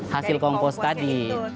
hasil kompos tadi